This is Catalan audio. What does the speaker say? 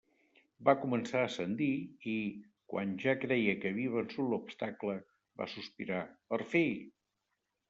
Va començar a ascendir i, quan ja creia que havia vençut l'obstacle, va sospirar, per fi!